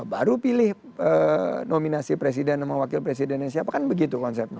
baru pilih nominasi presiden sama wakil presidennya siapa kan begitu konsepnya